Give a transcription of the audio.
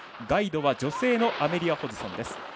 ガイドは女性のアメリア・ホジソン。